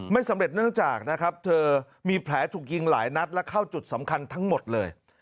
ไม่สำเร็จเนื่องจากนะครับเธอมีแผลถูกยิงหลายนัดและเข้าจุดสำคัญทั้งหมดเลย